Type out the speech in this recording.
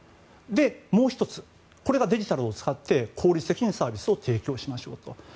もう１つこれがデジタルを使って効率的にサービスを提供しましょうと。